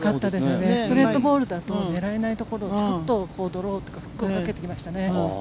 ストレートボールだと狙えないところをちゃんとフックをかけてきましたよね。